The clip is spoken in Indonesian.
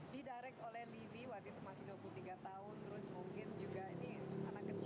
didirect oleh levy waktu itu masih dua puluh tiga tahun terus mungkin juga ini anak kecil dari indonesia